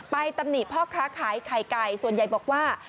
ตำหนิพ่อค้าขายไข่ไก่ส่วนใหญ่บอกว่า